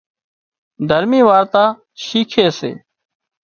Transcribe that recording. دهرمي وارتا شيکي سي